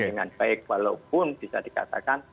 dengan baik walaupun bisa dikatakan